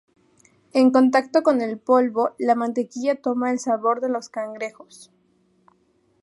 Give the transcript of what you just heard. En contacto con el polvo, la mantequilla toma el sabor de los cangrejos.